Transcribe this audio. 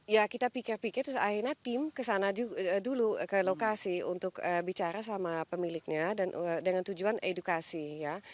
ya kita pikir pikir terus akhirnya tim kesana dulu ke lokasi untuk bicara sama pemiliknya dan dengan tujuan edukasi ya